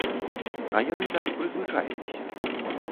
А яны так прызвычаіліся.